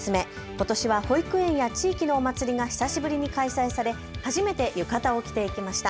ことしは保育園や地域のお祭りが久しぶりに開催され初めて浴衣を着て行きました。